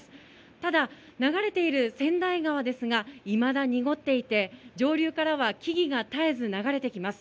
ただ、流れている川内川ですが、いまだ濁っていて、上流からは木々が絶えず流れてきます。